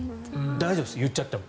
大丈夫です、言っちゃっても。